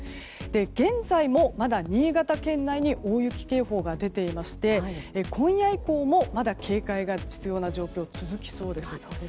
現在もまだ新潟県内に大雪警報が出ていまして今夜以降も、まだ警戒が必要な状況、続きそうです。